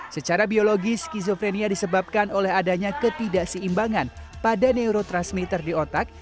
secara biologis skizofrenia disebabkan oleh adanya ketidakseimbangan pada neurotransmitter di otak